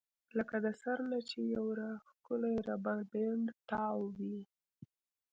لکه د سر نه چې يو راښکلی ربر بېنډ تاو وي